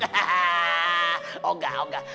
oh enggak oh enggak